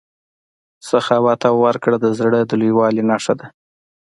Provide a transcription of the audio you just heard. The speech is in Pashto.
سخاوت او ورکړه د زړه د لویوالي نښه ده.